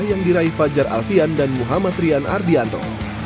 yang diraih fajar alfian dan muhammad rian ardianto